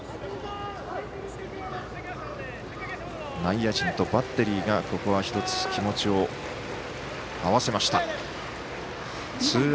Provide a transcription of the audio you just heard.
内野陣とバッテリーがここは１つ気持ちを合わせました。